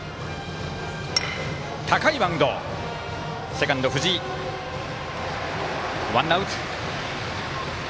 セカンド、藤井とってワンアウト。